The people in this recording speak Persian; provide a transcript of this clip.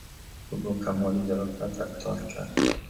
او با کمال ظرافت رفتار کرد.